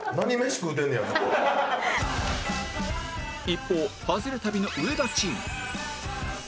一方ハズレ旅の上田チーム